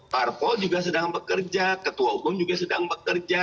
parpol juga sedang bekerja ketua umum juga sedang bekerja